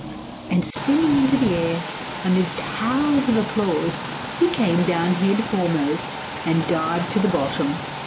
And springing into the air, amidst howls of applause, he came down head foremost, and dived to the bottom.